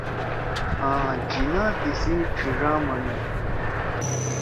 آں جناح تیِسی ڇھیِڙا منُو